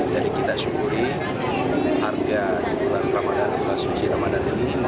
jadi kita syukuri harga di bulan ramadhan bulan suci ramadhan ini